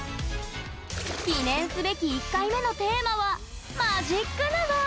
記念すべき１回目のテーマはマジック沼。